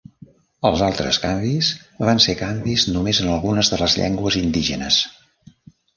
Els altres canvis van ser canvis només en algunes de les llengües indígenes.